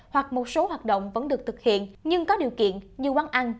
hoặc một số hoạt động vẫn được thực hiện nhưng có điều kiện như quán ăn